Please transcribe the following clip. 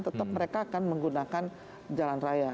tetap mereka akan menggunakan jalan raya